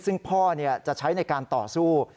ซึ่งพ่อจะใช้ในการต่อสู้